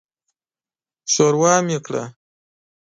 ښوروا مې کړه.